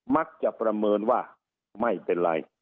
มักจะประเมินว่าไม่เป็นไร